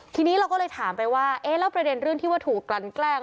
ทีนี้เราก็เลยถามไปว่าเอ๊ะแล้วประเด็นเรื่องที่ว่าถูกกลั่นแกล้ง